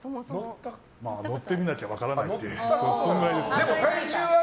まあ、乗ってみなきゃ分からないという。